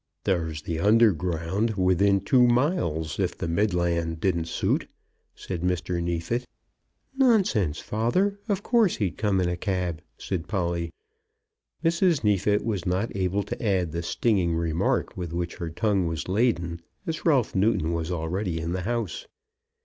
"There's the Underground within two miles, if the Midland didn't suit," said Mr. Neefit. "Nonsense, father. Of course he'd come in a cab!" said Polly. Mrs. Neefit was not able to add the stinging remark with which her tongue was laden, as Ralph Newton was already in the house.